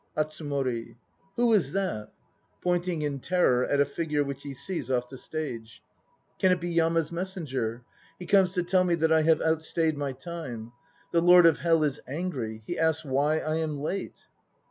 ATSUMORI. Who is that? (Pointing in terror at a figure which he sees off the stage.) Can it be Yama's messenger? He comes to tell me that I have out stayed my time. The Lord of Hell is angry: he asks why I am late?